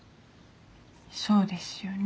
そうですよね。